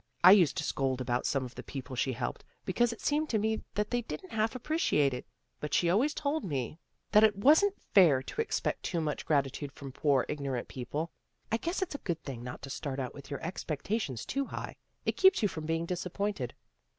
I used to scold about some of the people she helped, because it seemed to me that they didn't half appreciate it. But she always told me that it wasn't 214 THE GIRLS OF FRIENDLY TERRACE fair to expect too much gratitude from poor, ignorant people. I guess it's a good thing not to start out with your expectations too high. It keeps you from being disappointed."